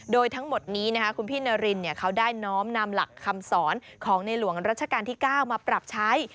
โดยทั้งหมดนี้คุณพี่นารินเขาได้น้อมนำหลักคำสอนของในหลวงรัชกาลที่๙มาปรับใช้